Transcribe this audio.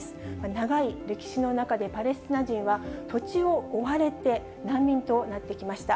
長い歴史の中でパレスチナ人は、土地を追われて、難民となってきました。